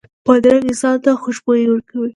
بادرنګ انسان ته خوشبويي ورکوي.